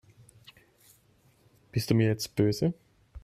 Bist du mir jetzt böse?